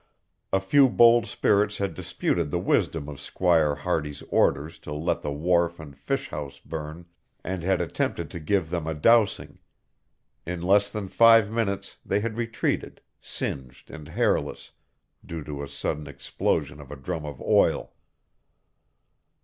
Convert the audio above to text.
A few bold spirits had disputed the wisdom of Squire Hardy's orders to let the wharf and fish house burn, and had attempted to give them a dousing. In less than five minutes they had retreated, singed and hairless, due to a sudden explosion of a drum of oil.